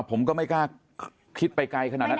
ผมก็ไม่กล้าคิดไปไกลขนาดนั้น